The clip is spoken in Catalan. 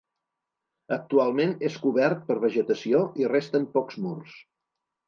Actualment és cobert per vegetació i resten pocs murs.